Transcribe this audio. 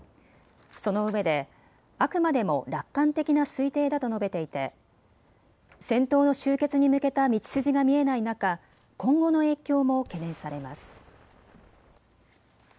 そのうえで、あくまでも楽観的な推定だと述べていて戦闘の終結に向けた道筋が見えない中、今後の影響も懸念されます。